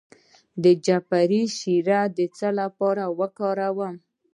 د جعفری شیره د څه لپاره وکاروم؟